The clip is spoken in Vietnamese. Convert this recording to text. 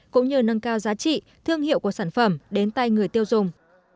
cũng như nâng cao giá trị thương hiệu của sản phẩm đến tay người tiêu dùng